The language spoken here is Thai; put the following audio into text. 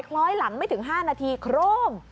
คล้อยหลังไม่ถึง๕นาทีโครม